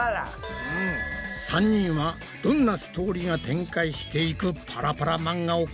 ３人はどんなストーリーが展開していくパラパラ漫画を考えているんだ？